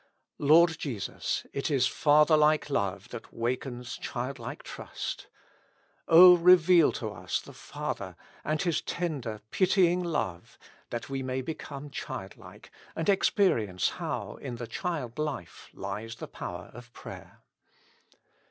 Lord Jesus ! it is fatherhke love that wakens childlike trust. O reveal to us the Father, and His tender, pitying love, that we may become childlike, and experience how in the child life lies the power of prayer.